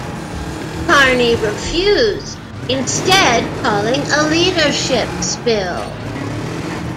Carney refused, instead calling a leadership spill.